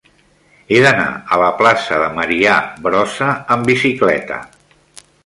He d'anar a la plaça de Marià Brossa amb bicicleta.